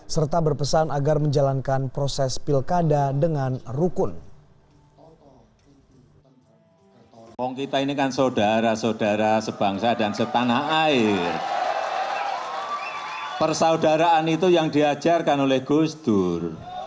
serta berpesan agar menjalankan proses pilkada dengan rukun